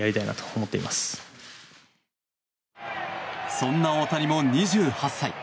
そんな大谷も２８歳。